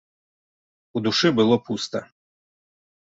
У душы было пуста.